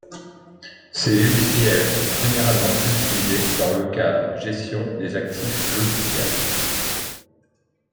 Ces logiciels sont généralement utilisés dans le cadre gestion des actifs logiciels.